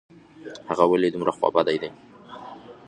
هغه ولي دومره خوابدې ده ؟